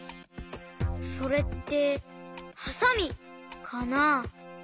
それってはさみかな？